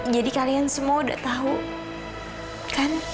jadi kalian semua udah tahu kan